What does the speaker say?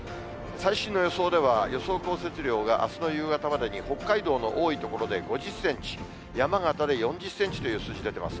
最新の予想では、予想降雪量があすの夕方までに北海道の多い所で５０センチ、山形で４０センチという数字出てます。